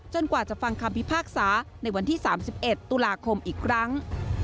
กว่าจะฟังคำพิพากษาในวันที่๓๑ตุลาคมอีกครั้ง